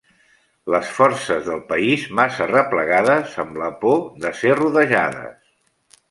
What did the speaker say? Les forces del país massa replegades, amb la por de ser rodejades.